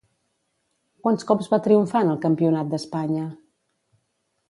Quants cops va triomfar en el Campionat d'Espanya?